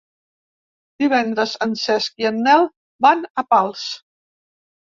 Divendres en Cesc i en Nel van a Pals.